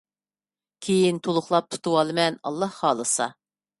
كېيىن تولۇقلاپ تۇتۇۋالىمەن ئاللاھ خالىسا!